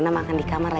tak mau nih minta